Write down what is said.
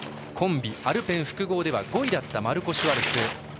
コンビ、アルペン複合で５位だったマルコ・シュワルツ。